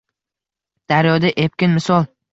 Daryoda epkin misol;